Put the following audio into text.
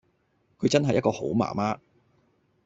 佢真係一個好媽媽